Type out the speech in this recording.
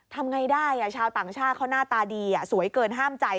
ทำไงได้ชาวต่างชาติเขาหน้าตาดีสวยเกินห้ามใจ